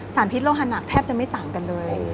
พิษโลหะหนักแทบจะไม่ต่างกันเลย